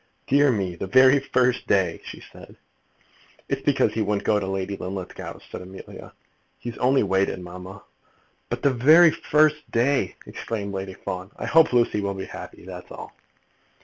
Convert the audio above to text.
"Dear me; the very first day!" she said. "It's because he wouldn't go to Lady Linlithgow's," said Amelia. "He has only waited, mamma." "But the very first day!" exclaimed Lady Fawn. "I hope Lucy will be happy; that's all."